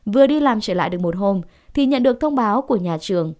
vừa đi làm trở lại được một hôm thì nhận được thông báo của nhà trường